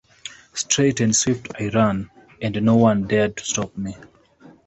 Straight and swift I ran, and no one dared to stop me.